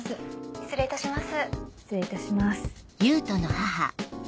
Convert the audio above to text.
失礼いたします。